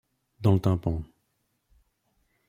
Dans le tympan